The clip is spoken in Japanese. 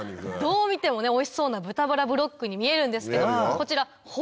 どう見てもおいしそうな豚バラブロックに見えるんですけどこちら。